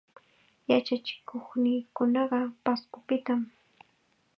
Yachachikuqniikunaqa Pascopitam.